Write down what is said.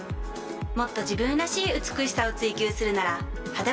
もっと自分らしい「美しさ」を追求するなら「肌分析」！